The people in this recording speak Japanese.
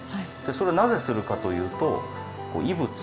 それをなぜするかというと異物。